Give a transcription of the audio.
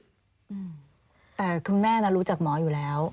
อืมแต่คุณแม่น่ะรู้จักหมออยู่แล้ว